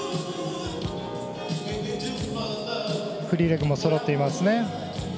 フリーレッグもそろっています。